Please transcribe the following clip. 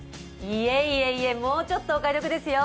いえいえいえ、もうちょっとお買い得ですよ。